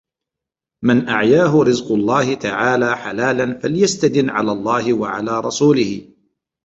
مَنْ أَعْيَاهُ رِزْقُ اللَّهِ تَعَالَى حَلَالًا فَلْيَسْتَدِنْ عَلَى اللَّهِ وَعَلَى رَسُولِهِ